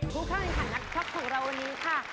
ผู้ข้างอีกค่ะนักชักของเราวันนี้ค่ะ